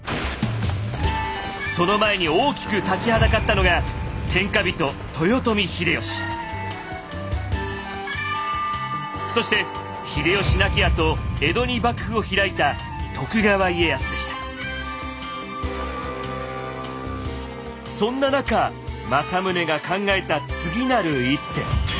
その前に大きく立ちはだかったのがそして秀吉亡きあと江戸に幕府を開いたそんな中政宗が考えた次なる一手。